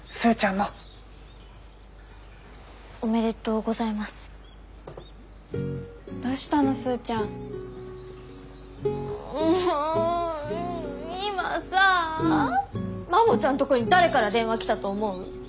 もう今さぁマモちゃんとこに誰から電話来たと思う？